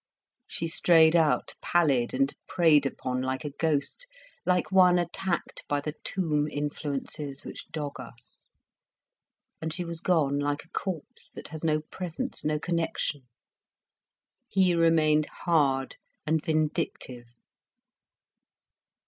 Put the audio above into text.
She strayed out, pallid and preyed upon like a ghost, like one attacked by the tomb influences which dog us. And she was gone like a corpse, that has no presence, no connection. He remained hard and vindictive.